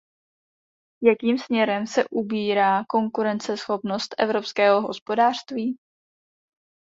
Jakým směrem se ubírá konkurenceschopnost evropského hospodářství?